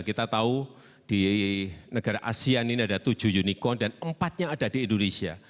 kita tahu di negara asean ini ada tujuh unicorn dan empatnya ada di indonesia